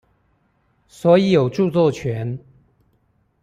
所以有著作權